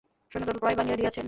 সৈন্যদল প্রায় ভাঙিয়া দিয়াছেন।